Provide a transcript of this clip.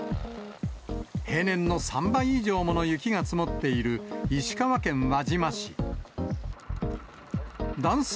平年の３倍以上もの雪が積もっている石川県輪島市。